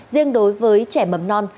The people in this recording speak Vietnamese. riêng đối với trẻ mầm non